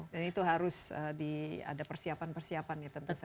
dan itu harus ada persiapan persiapan ya tentu saja